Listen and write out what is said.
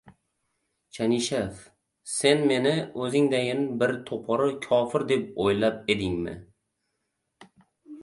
— Chanishev! Sen meni o‘zingdayin bir to‘pori kofir deb o‘ylab edingmi?